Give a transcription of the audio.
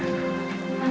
ada yang mau dibicarakan